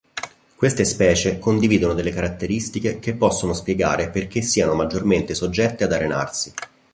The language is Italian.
Queste specie condividono delle caratteristiche che possono spiegare perché siano maggiormente soggette ad arenarsi.